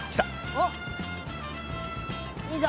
おっいいぞ。